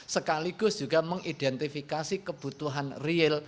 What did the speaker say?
sekaligus juga mengidentifikasi kebutuhan real